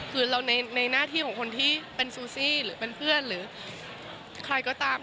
คือเราในหน้าที่ของคนที่เป็นซูซี่หรือเป็นเพื่อนหรือใครก็ตาม